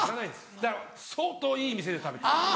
だから相当いい店で食べてる。